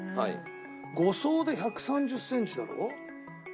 ５層で１３０センチだろ？